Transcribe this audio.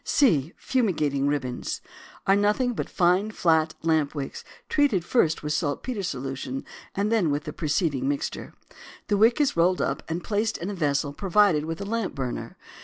C. FUMIGATING RIBBONS are nothing but fine flat lamp wicks treated first with saltpetre solution and then with the preceding mixture. The wick is rolled up and placed in a vessel provided with a lamp burner.